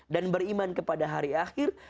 dan beriman kepada hari akhir